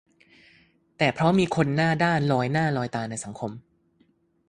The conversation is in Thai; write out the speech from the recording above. แต่เพราะมีคนหน้าด้านลอยหน้าลอยตาในสังคม